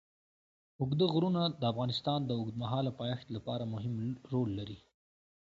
اوږده غرونه د افغانستان د اوږدمهاله پایښت لپاره مهم رول لري.